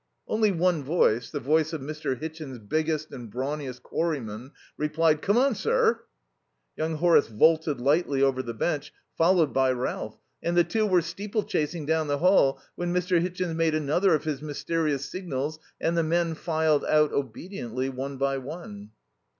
Only one voice, the voice of Mr. Hitchin's biggest and brawniest quarryman, replied: "Come on, sir!" Young Horace vaulted lightly over the bench, followed by Ralph, and the two were steeplechasing down the hall when Mr. Hitchin made another of his mysterious signals and the men filed out, obediently, one by one.